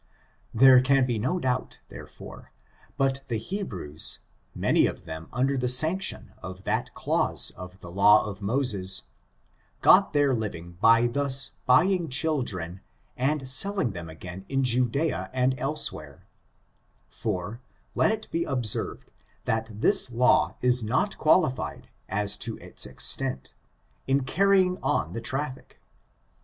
There can Iw no doubt, therefore, but the He brews, many of ihom under the sanction of that clause of the law of Mosos, got their living by thus buying children, and soiling them again in Judea and elsewhere; for, let it bo observed, that this law IS not qualified, as to its extent^ in carrying on the t^iM^l^k^h^h^k^^^^ FORTVVEIi, or THE NEQRO RACE. traffic.